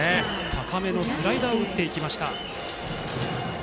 高めのスライダーを打っていきました。